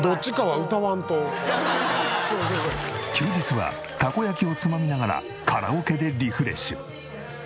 休日はたこ焼きをつまみながらカラオケでリフレッシュ。